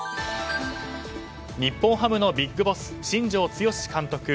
日本ハムのビッグボス新庄剛志監督。